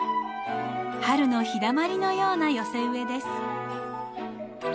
春の日だまりのような寄せ植えです。